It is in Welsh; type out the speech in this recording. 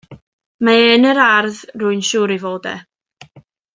Mae e yn yr ardd, rwy'n siŵr ei fod e.